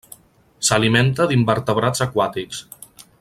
S'alimenta d'invertebrats aquàtics.